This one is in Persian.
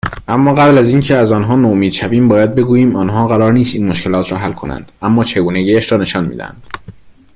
اما قبل از این که از آنها نومید شویم، باید بگویم، آنها قرار نیست این مشکلات را حل کنند، اما چگونگیاش را نشان میدهند